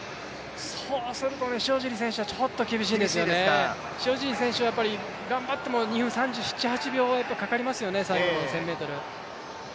そうすると塩尻選手はちょっと厳しいですよね、塩尻選手は頑張っても２分３７３８秒はかかりますよね、最後の１０００ｍ。